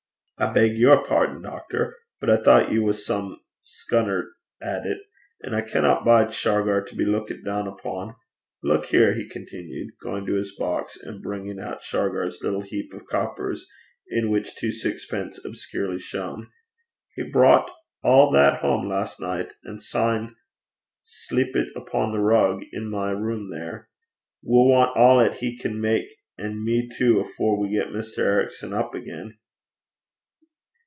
'I beg your pardon, doctor but I thoucht ye was some scunnert at it; an' I canna bide Shargar to be luikit doon upo'. Luik here,' he continued, going to his box, and bringing out Shargar's little heap of coppers, in which two sixpences obscurely shone, 'he brocht a' that hame last nicht, an' syne sleepit upo' the rug i' my room there. We'll want a' 'at he can mak an' me too afore we get Mr. Ericson up again.'